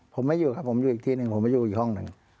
ผมไม่อยู่ครับผมอยู่อีกทีหนึ่งผมไม่อยู่อีกห้องหนึ่ง